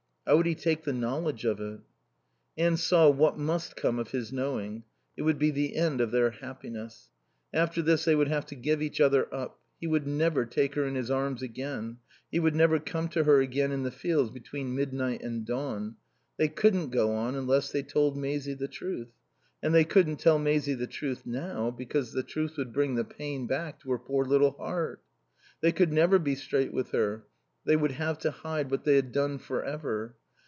How would he take the knowledge of it? Anne saw what must come of his knowing. It would be the end of their happiness. After this they would have to give each other up; he would never take her in his arms again; he would never come to her again in the fields between midnight and dawn. They couldn't go on unless they told Maisie the truth; and they couldn't tell Maisie the truth now, because the truth would bring the pain back to her poor little heart. They could never be straight with her; they would have to hide what they had done for ever.